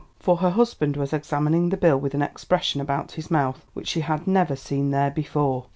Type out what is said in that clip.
For her husband was examining the bill with an expression about his mouth which she had never seen there before.